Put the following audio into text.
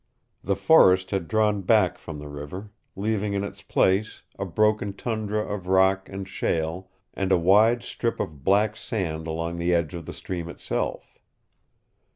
The forest had drawn back from the river, leaving in its place a broken tundra of rock and shale and a wide strip of black sand along the edge of the stream itself.